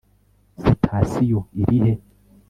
sitasiyo irihe